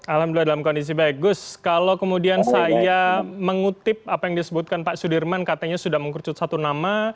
alhamdulillah dalam kondisi baik gus kalau kemudian saya mengutip apa yang disebutkan pak sudirman katanya sudah mengkerucut satu nama